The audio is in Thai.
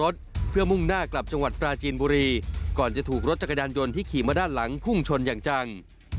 ทางจัง